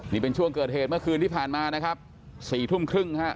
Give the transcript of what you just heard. นี่เป็นช่วงเกิดเหตุเมื่อคืนที่ผ่านมานะครับ๔ทุ่มครึ่งฮะ